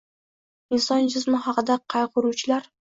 Inson jismi haqida qaygʼuruvchilar